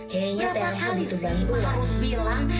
berapa kali sih emak harus bilang